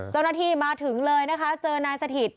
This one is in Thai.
เจ้าหน้าที่มาถึงเลยนะคะเจอนายสถิต